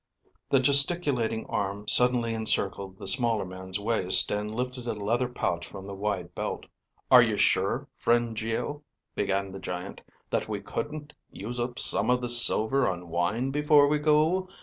The gesticulating arm suddenly encircled the smaller man's waist and lifted a leather pouch from the wide belt. "Are you sure, friend Geo," began the giant, "that we couldn't use up some of this silver on wine before we go.